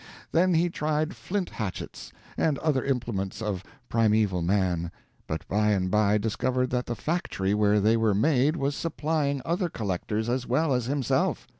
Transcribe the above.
Then he tried flint hatchets and other implements of Primeval Man, but by and by discovered that the factory where they were made was supplying other collectors as well as himself.